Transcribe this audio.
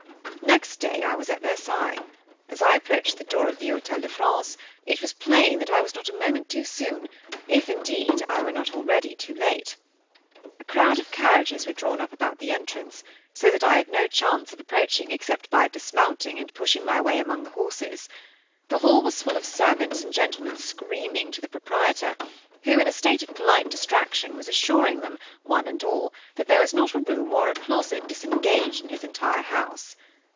Next day I was at Versailles. As I approached the door of the Hotel de France it was plain that I was not a moment too soon, if, indeed, I were not already too late. A crowd of carriages were drawn up about the entrance, so that I had no chance of approaching except by dismounting and pushing my way among the horses. The hall was full of servants and gentlemen screaming to the proprietor, who in a state of polite distraction was assuring them, one and all, that there was not a room or a closet disengaged in his entire house.